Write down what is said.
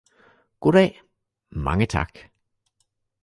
Goddag, - mange tak